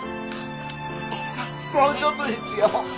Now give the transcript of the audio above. もうちょっとですよ。